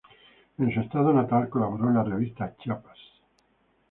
En su estado natal colaboró en la Revista Chiapas.